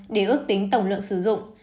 để ước tính tổng lượng sử dụng